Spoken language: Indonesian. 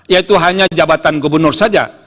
yaitu hanya jabatan gubernur saja